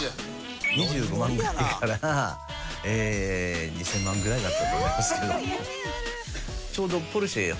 ２５万ぐらいから２０００万ぐらいだったと思いますけど。